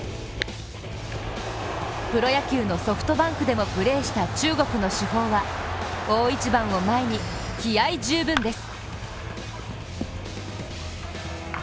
プロ野球のソフトバンクでもプレーした中国の主砲は大一番を前に気合い十分です。